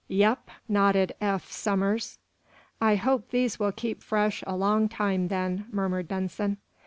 "Yep," nodded Eph Somers. "I hope these will keep fresh a long time, then," murmured Benson.